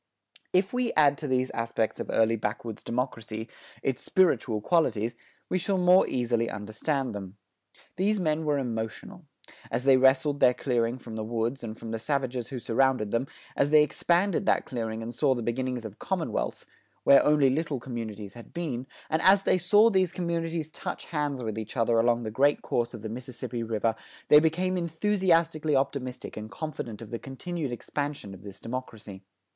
If we add to these aspects of early backwoods democracy, its spiritual qualities, we shall more easily understand them. These men were emotional. As they wrested their clearing from the woods and from the savages who surrounded them, as they expanded that clearing and saw the beginnings of commonwealths, where only little communities had been, and as they saw these commonwealths touch hands with each other along the great course of the Mississippi River, they became enthusiastically optimistic and confident of the continued expansion of this democracy.